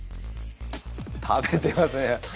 食べてますね。